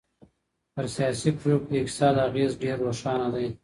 پر سياسي پرېکړو د اقتصاد اغېز ډېر روښانه دی.